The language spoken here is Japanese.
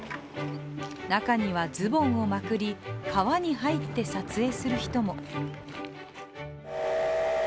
中にはズボンをまくり川に入って撮影する人も。